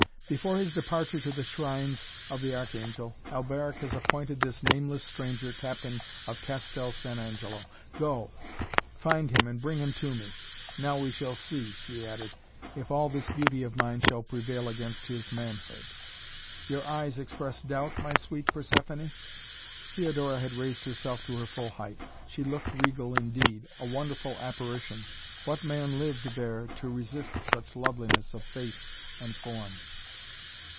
"Before his departure to the shrines of the Archangel, Alberic has appointed this nameless stranger captain of Castel San Angelo. Go find him and bring him to me! Now we shall see," she added, "if all this beauty of mine shall prevail against his manhood. Your eyes express doubt, my sweet Persephoné?" Theodora had raised herself to her full height. She looked regal indeed a wonderful apparition. What man lived there to resist such loveliness of face and form?